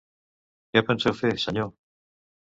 Què penseu fer, senyor?